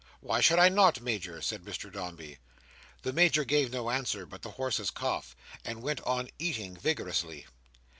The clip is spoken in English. "Why should I not, Major?" said Mr Dombey. The Major gave no answer but the horse's cough, and went on eating vigorously.